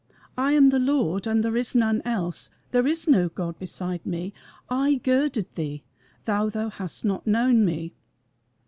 I am the Lord, and there is none else, there is no God beside me: I girded thee, though thou hast not known me."